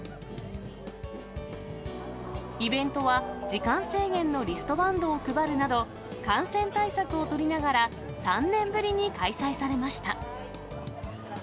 イベントは、時間制限のリストバンドを配るなど、感染対策を取りながら、３年ぶりに開催されました。